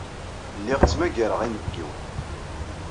Lliɣ ttmagareɣ inebgiwen.